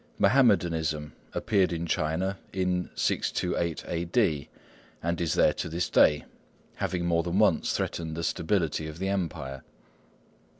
Mahommedanism appeared in China in 628 A.D., and is there to this day, having more than once threatened the stability of the Empire.